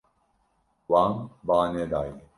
Wan ba nedaye.